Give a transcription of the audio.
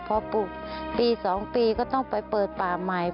พอปลูกปี๒ปีก็ต้องไปเปิดป่าใหม่